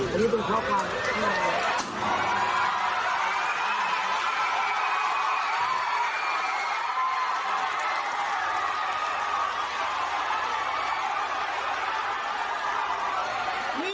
ในด้วยความจริง